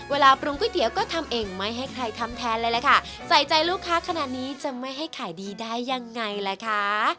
ปรุงก๋วยเตี๋ยวก็ทำเองไม่ให้ใครทำแทนเลยแหละค่ะใส่ใจลูกค้าขนาดนี้จะไม่ให้ขายดีได้ยังไงล่ะคะ